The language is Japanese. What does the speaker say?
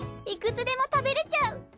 いくつでも食べられちゃう。